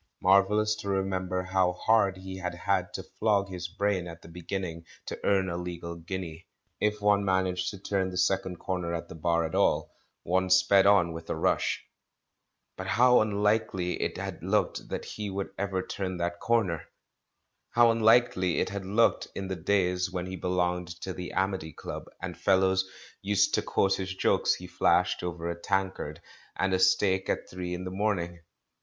— marvellous to remember how hard he had had to flog his brain at the beginning to earn a legal guinea ; if one managed to turn the second corner at the Bar at all, one sped on with a rush. But how unlikely it had looked that he would ever turn that corner! How unlikely it had looked in the days when he belonged to the Amity Club and fellows used S90 THE MAN WHO UNDERSTOOD WOMEN to quote his jokes he flashed over a tankard and a steak at three in the morning!